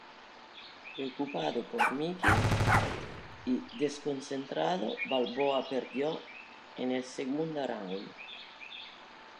Preocupado por Mickey y desconcentrado, Balboa perdió en el segunda round.